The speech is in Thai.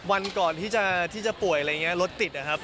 วันก่อนที่จะป่วยอะไรอย่างนี้รถติดนะครับ